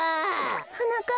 はなかっ